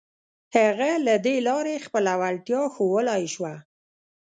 هغه له دې لارې خپله وړتيا ښوولای شوه.